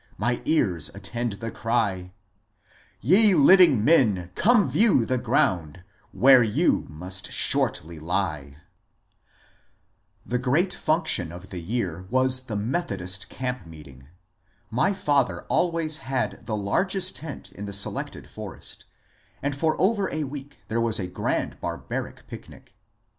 My ears attend the cry :Ye living men, come view the ground Where yon must shortly lie !" The great function of the year was the Methodist Camp meeting. My father alwajrs had the largest tent in the selected forest, and for over a week there was a grand barbaric picnic.